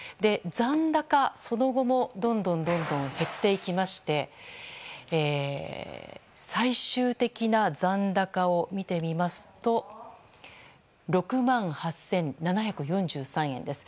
残高、その後もどんどん減っていきまして最終的な残高を見てみますと６万８７４３円です。